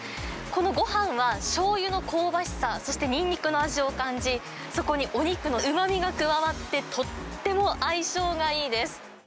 このごはんは、しょうゆの香ばしさ、そしてニンニクの味を感じ、そこにお肉のうまみが加わって、とっても相性がいいです。